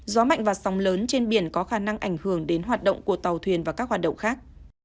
gió mạnh và sóng lớn trên biển có khả năng ảnh hưởng đến hoạt động của tàu thuyền và các hoạt động khác